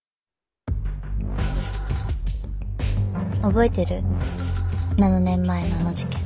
覚えてる？７年前のあの事件。